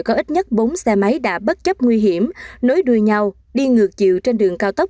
có ít nhất bốn xe máy đã bất chấp nguy hiểm nối đuôi nhau đi ngược chiều trên đường cao tốc